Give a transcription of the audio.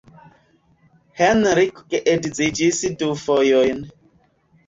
Henriko geedziĝis du fojojn.